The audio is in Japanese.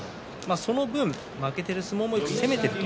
その分、負けている相撲もよく攻めていると。